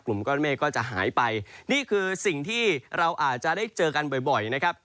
กลุ่มก้อนเมฆก็จะหายไปนี่คือสิ่งที่เราอาจจะได้เจอกันบ่อยนะครับ